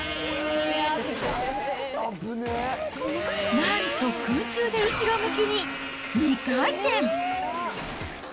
なんと空中で後ろ向きに２回転。